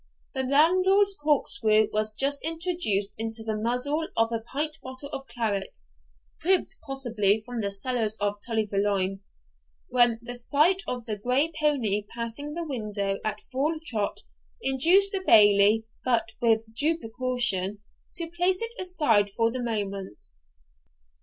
The landlord's cork screw was just introduced into the muzzle of a pint bottle of claret (cribbed possibly from the cellars of Tully Veolan), when the sight of the grey pony passing the window at full trot induced the Bailie, but with due precaution, to place it aside for the moment.